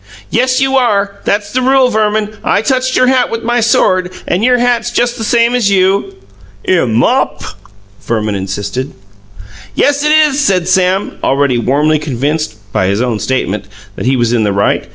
"Yes, you are; that's the rule, Verman. I touched your hat with my sword, and your hat's just the same as you." "Imm mop!" Verman insisted. "Yes, it is," said Sam, already warmly convinced (by his own statement) that he was in the right.